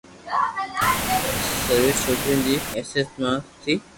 شرو ٻن ڇوڪرن جي حيثيت سان ٿي،